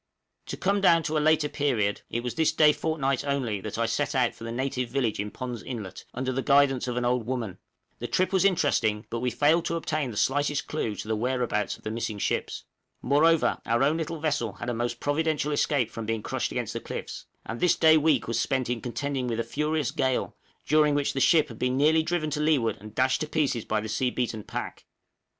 To come down to a later period, it was this day fortnight only that I set out for the native village in Pond's Inlet, under the guidance of an old woman; the trip was interesting, but we failed to obtain the slightest clue to the "whereabouts" of the missing ships; moreover, our own little vessel had a most providential escape from being crushed against the cliffs; and this day week was spent in contending with a furious gale, during which the ship had nearly been driven to leeward and dashed to pieces by the sea beaten pack.